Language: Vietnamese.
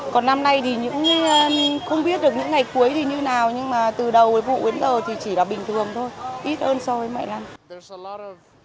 còn năm nay thì cũng không biết được những ngày cuối thì như nào nhưng mà từ đầu vụ đến giờ thì chỉ là bình thường thôi ít hơn so với mọi năm